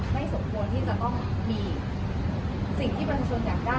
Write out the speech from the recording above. สมควรที่จะต้องมีสิ่งที่ประชาชนอยากได้